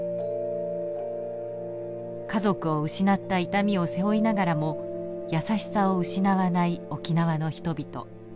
家族を失った痛みを背負いながらも優しさを失わない沖縄の人々。